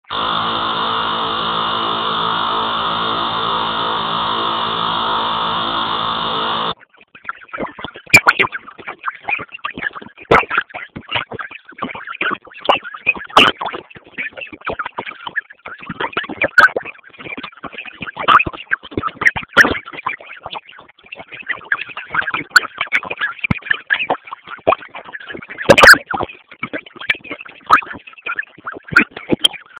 ازادي راډیو د د مخابراتو پرمختګ په اړه رښتیني معلومات شریک کړي.